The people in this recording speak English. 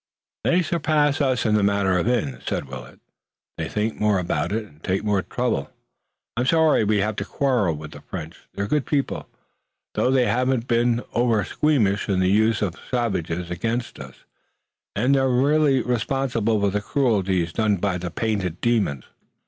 "They surpass us in the matter of inns," said Willet. "They think more about it and take more trouble. I'm sorry we have to quarrel with the French. They're good people, though they haven't been oversqueamish in the use of savages against us, and they're really responsible for the cruelties done by the painted demons."